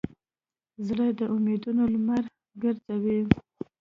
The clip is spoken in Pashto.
زړه د امیدونو لمر ګرځوي.